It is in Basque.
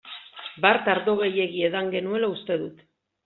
Bart ardo gehiegi edan genuela uste dut.